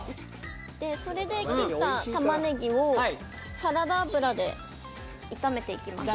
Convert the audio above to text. それで切った玉ねぎをサラダ油で炒めて行きます。